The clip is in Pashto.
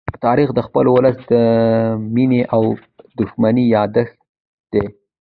تاریخ د خپل ولس د مینې او دښمنۍ يادښت دی.